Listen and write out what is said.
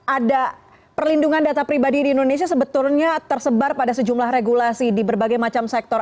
ada perlindungan data pribadi di indonesia sebetulnya tersebar pada sejumlah regulasi di berbagai macam sektor